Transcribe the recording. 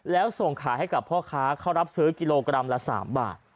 แล้วส่งขายให้กับพ่อค้าเข้ารับซื้อกิโลกรัมละ๓บาท